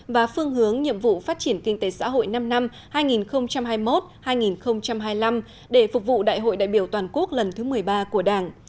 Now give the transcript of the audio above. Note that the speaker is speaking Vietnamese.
và phương hướng nhiệm vụ phát triển kinh tế xã hội năm năm hai nghìn hai mươi một hai nghìn hai mươi năm để phục vụ đại hội đại biểu toàn quốc lần thứ một mươi ba của đảng